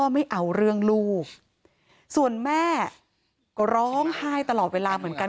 ไม่เอาเรื่องลูกส่วนแม่ก็ร้องไห้ตลอดเวลาเหมือนกัน